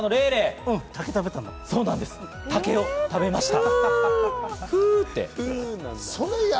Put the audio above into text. はい、食べました。